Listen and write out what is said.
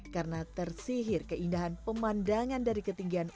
karena tersihir keindahan pemandangan dari ketinggian